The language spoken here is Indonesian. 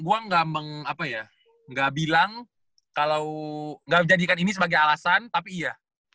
gue gak mengapa ya gak bilang kalau gak menjadikan ini sebagai alasan tapi iya